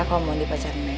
kalau mau di pacar neng